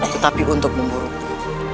tetapi untuk memburuku